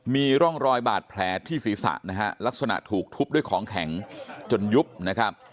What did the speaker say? มีร่องรอยบาดแผลที่ศีรษะนะฮะลักษณะถูกทุบด้วยของแข็งจนยุบนะครับ